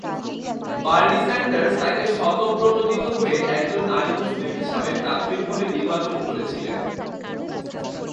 Bernie Sanders তাঁকে স্বতঃপ্রণোদিত হয়ে একজন নারী মুসলিম হিসেবে প্রাথমিকভাবে নির্বাচন করেছিলেন।